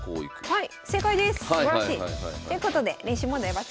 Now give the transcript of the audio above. はい。